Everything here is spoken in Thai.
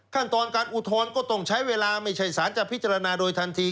ขั้นตอนการอุทธรณ์ก็ต้องใช้เวลาไม่ใช่สารจะพิจารณาโดยทันที